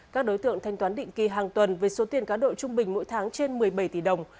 các đối tượng thanh toán định kỳ hàng tuần với số tiền cá độ trung bình mỗi tháng trên một mươi bảy tỷ đồng